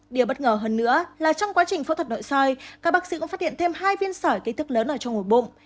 điều bất ngờ hơn nữa là trong quá trình phẫu thuật nội sỏi cả bác sĩ cũng phát hiện thêm hai viên sỏi kỹ thức lớn ở trong ổ bụng